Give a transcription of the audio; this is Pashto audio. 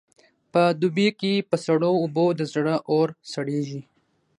په دوبې کې په سړو اوبو د زړه اور سړېږي.